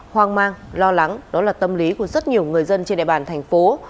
hoang mang lo lắng đó là tâm lý của rất nhiều người dân trên địa bàn thành phố